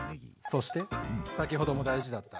そして先ほども大事だった。